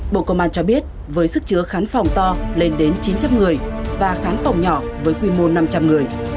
bộ công an cho biết với sức chứa khán phòng to lên đến chín trăm linh người và khán phòng nhỏ với quy mô năm trăm linh người